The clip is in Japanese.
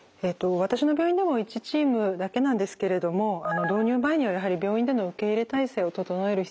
私の病院でも１チームだけなんですけれども導入前にはやはり病院での受け入れ体制を整える必要があります。